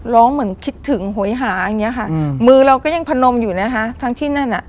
ร้องเหมือนคิดถึงโหยหาอย่างนี้ค่ะมือเราก็ยังพนมอยู่นะคะทั้งที่นั่นอ่ะ